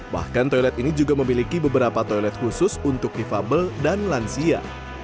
bahkan toilet ini juga memiliki beberapa toilet khusus untuk difabel dan lansia